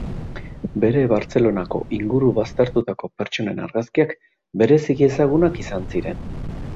Bere Bartzelonako inguru baztertutako pertsonen argazkiak bereziki ezagunak izan ziren.